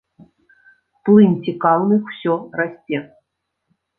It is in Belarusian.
Плынь цікаўных усё расце.